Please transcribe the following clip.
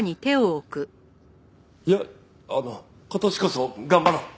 いやあの今年こそ頑張ろう。